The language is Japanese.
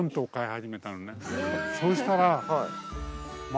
そうしたら。